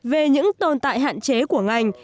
về những tồn tại hạn chế của ngành